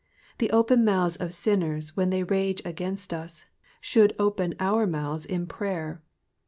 The open mouths of sinners when they rage against us should open our mouths in prayer.